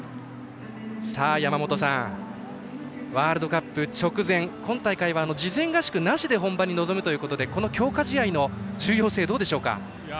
山本さん、ワールドカップ直前今大会は事前合宿なしで本番に臨むというこの強化試合の重要性どうでしょうか？